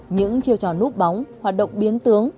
những chiều tròn núp bóng hoạt động biến tướng